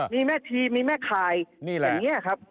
มีแม่ชีมีแม่คายอย่างนี้ครับ